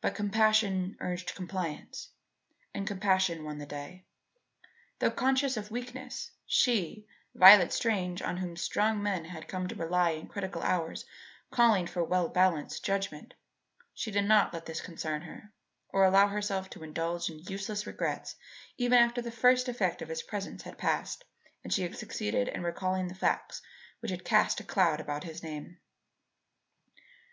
But compassion urged compliance and compassion won the day. Though conscious of weakness, she, Violet Strange on whom strong men had come to rely in critical hours calling for well balanced judgment, she did not let this concern her, or allow herself to indulge in useless regrets even after the first effect of his presence had passed and she had succeeded in recalling the facts which had cast a cloud about his name.